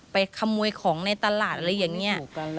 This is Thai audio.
ขโมยของในตลาดอะไรอย่างนี้